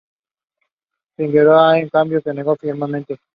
Figueroa, en cambio, se negó firmemente.